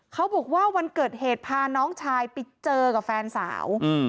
เขาบอกว่าวันเกิดเหตุพาน้องชายไปเจอกับแฟนสาว